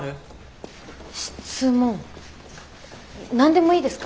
質問何でもいいですか？